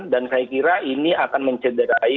dan saya kira ini akan mencederai